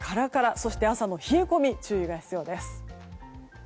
そして朝の冷え込み注意が必要です。